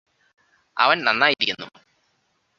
അവന് നന്നായിരിക്കുന്നു